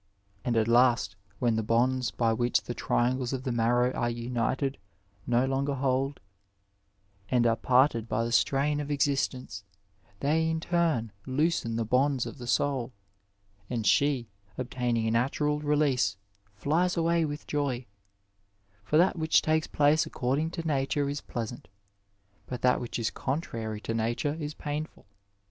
And at last, when the bonds by which the triangles of the marrow are united no longer ^ Dialogues, iii. 503. * Ibid. i. 578. 59 Digitized by Google AS DEPICTED IN PLATO hold, and are parted by the strain of existence, thej in torn loosen the bonds of the soul, and she, obtaining a natural release, flies away with joy. For that which takes place acGoiding to nature is pleasant, but that which is contrary to nature is painful.